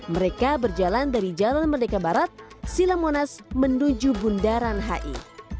mereka berjalan dari jalan merdeka barat silam monas menuju bundaran hi